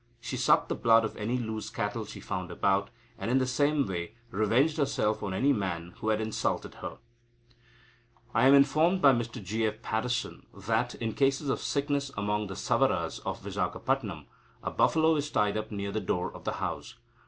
She sucked the blood of any loose cattle she found about, and, in the same way, revenged herself on any man who had insulted her. I am informed by Mr G. F. Paddison that, in cases of sickness among the Savaras of Vizagapatam, a buffalo is tied up near the door of the house.